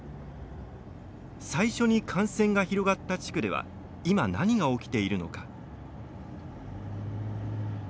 最初に感染が広がった地区では今何が起きているのか。